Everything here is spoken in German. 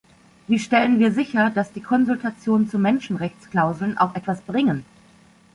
Wie stellen wir sicher, dass die Konsultationen zu Menschenrechtsklauseln auch etwas bringen?